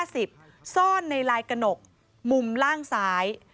ซ่อนในลายกระหนกมุมล่างซ้าย